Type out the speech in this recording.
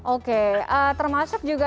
oke termasuk juga